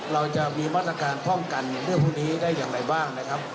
เราจะมีมาตรการพร่อมกันในเมื่อพรุ่งนี้ได้อย่างไรบ้างนะครับ